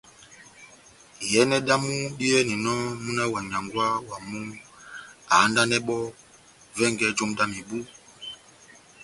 Iyɛnɛ dámu diyɛninɔmúna wa nyángwɛ wamu ahandanɛ bɔ́ vɛngɛ jomu dá mebu ,